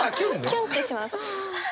キュンってします。